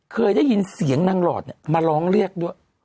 เคยได้ยินเสียงนางหลอดมาร้องเรียกด้วย